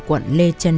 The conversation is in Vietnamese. quận lê trân